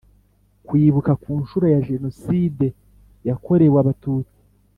Kwibuka ku Nshuro ya Jenoside Yakorewe Abatutsi